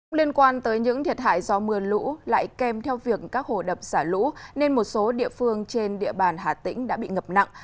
cũng liên quan tới những thiệt hại do mưa lũ lại kèm theo việc các hồ đập xả lũ nên một số địa phương trên địa bàn hà tĩnh đã bị ngập nặng